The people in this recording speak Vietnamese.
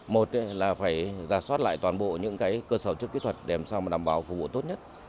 một là phải giả soát lại toàn bộ những cơ sở chất kỹ thuật để làm sao đảm bảo phục vụ tốt nhất